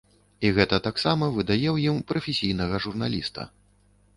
І гэта таксама выдае ў ім прафесійнага журналіста.